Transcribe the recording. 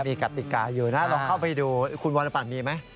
มีกติกาอยู่นะลองเข้าไปดูคุณวรปัตรมีไหม